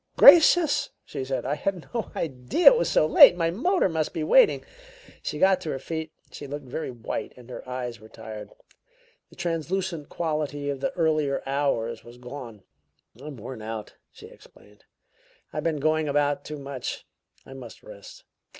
"Gracious!" she said. "I had no idea it was so late! My motor must be waiting." She got to her feet. She looked very white and her eyes were tired; the translucent quality of the earlier hours was gone. "I'm worn out," she explained. "I've been going about too much. I must rest."